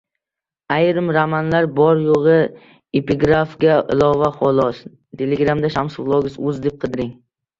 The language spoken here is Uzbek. — Ayrim romanlar bor-yo‘g‘i epigrafga ilova, xolos.